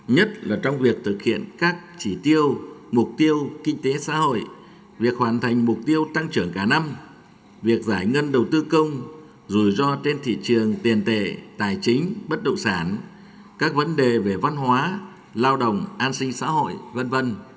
nhất là trong việc thực hiện các chỉ tiêu mục tiêu kinh tế xã hội việc hoàn thành mục tiêu tăng trưởng cả năm việc giải ngân đầu tư công rủi ro trên thị trường tiền tệ tài chính bất động sản các vấn đề về văn hóa lao động an sinh xã hội v v